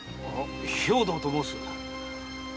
兵藤と申す。